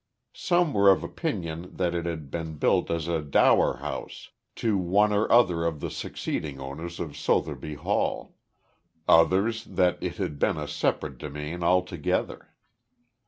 Some were of opinion that it had been built as a dower house to one or other of the succeeding owners of Sotherby Hall, others that it had been a separate demesne altogether.